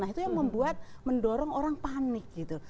nah itu yang membuat mendorong orang panik gitu